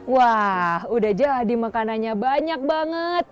wah udah jadi makanannya banyak banget